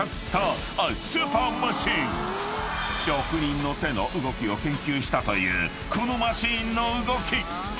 ［職人の手の動きを研究したというこのマシンの動き］